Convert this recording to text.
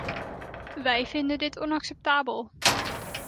Wij vinden dit onacceptabel.